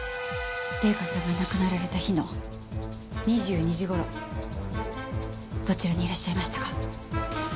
玲香さんが亡くなられた日の２２時頃どちらにいらっしゃいましたか？